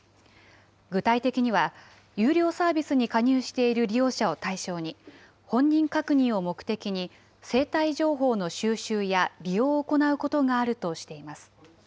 具体的には、有料サービスに加入している利用者を対象に、本人確認を目的に生体情報の収集や利用を行うことがあるとしています。